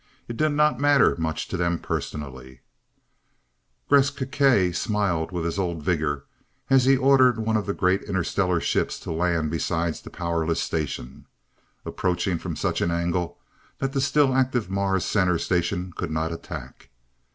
It did not matter much to them personally Gresth Gkae smiled with his old vigor as he ordered one of the great interstellar ships to land beside the powerless station, approaching from such an angle that the still active Mars Center station could not attack.